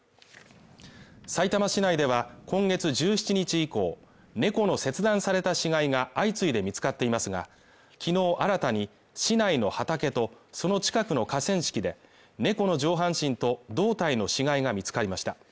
さいたま市内では今月１７日以降、猫の切断された死骸が相次いで見つかっていますが、昨日新たに市内の畑とその近くの河川敷で、猫の上半身と胴体の死骸が見つかりました。